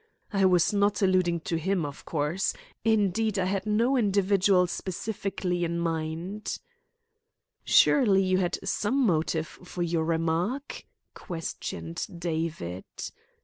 "I was not alluding to him, of course. Indeed, I had no individual specially in my mind." "Surely you had some motive for your remark?" questioned David.